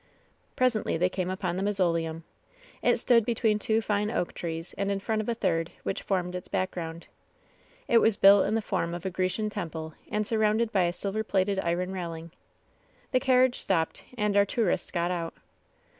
Presently they came upon the mausoleum. It stood between two fine oak trees, and in front of u third, which formed its background. It was built in :che form of a Grecian temple and surrounded by a silver^lated iron railing. The carriage stopped and our tourists got out.